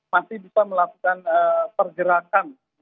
masih bisa melakukan pergerakan